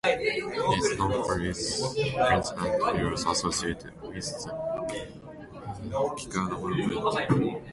He is known for his prints and murals associated with the Chicano Movement.